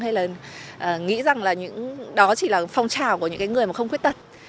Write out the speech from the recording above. hay là nghĩ rằng đó chỉ là phong trào của những người không khuyết tật